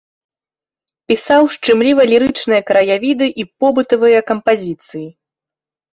Пісаў шчымліва-лірычныя краявіды і побытавыя кампазіцыі.